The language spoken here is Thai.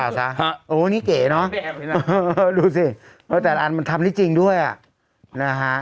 โอ้โหนี่เก๋เนอะดูสิแต่ละอันมันทำได้จริงด้วยอ่ะนะฮะ